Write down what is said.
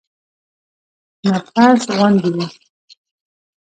شنه فرش غوندې وي.